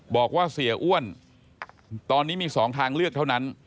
บอกว่าเสียอ้วนตอนนี้มี๒ทางเลือกเท่านั้น